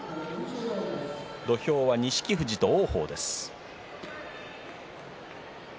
土俵は錦富士と王鵬です。